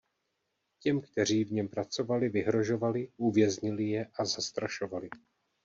Těm, kteří v něm pracovali, vyhrožovali, uvěznili je a zastrašovali.